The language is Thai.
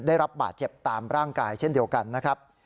ได้รับบาดเจ็บตามร่างกายเช่นเดียวกันนะครับ